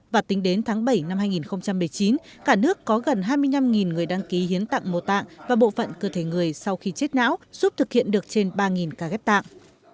và tính đến tháng bảy năm hai nghìn một mươi chín cả nước có gần hai mươi năm người đăng ký hiến tặng mô tạng và bộ phận cơ thể người sau khi chết não giúp thực hiện được trên ba ca ghép tạng